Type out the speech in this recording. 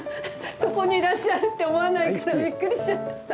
そこにいらっしゃるって思わないからびっくりしちゃった。